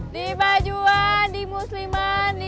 di bajuan di musliman